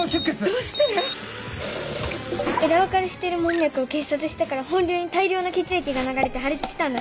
どうして⁉枝分かれしてる門脈を結紮したから本流に大量の血液が流れて破裂したんだ。